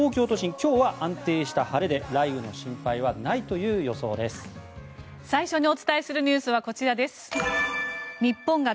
今日は安定した晴れで雷雨の恐れはないという１日です。